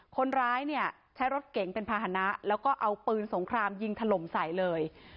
คนร้ายเนี่ยใช้รถเก๋งเป็นภาษณะแล้วก็เอาปืนสงครามยิงถล่มใสเลย